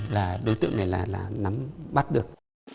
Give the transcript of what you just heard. là đối tượng này là nắm bắt được